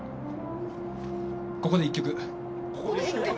ここで１曲。